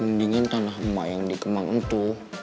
mendingan tanah emak yang dikembang itu